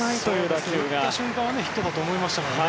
打った瞬間はヒットだと思いましたからね。